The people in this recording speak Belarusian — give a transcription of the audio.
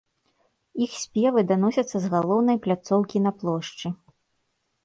Іх спевы даносяцца з галоўнай пляцоўкі на плошчы.